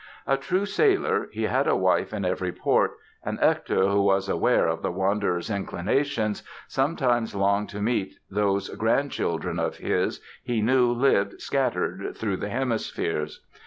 A true sailor he had a wife in every port and Hector, who was aware of the wanderer's inclinations, sometimes longed to meet those grandchildren of his he knew lived scattered through the hemispheres.